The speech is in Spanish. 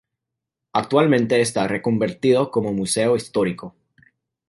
Actualmente está reconvertido como museo histórico.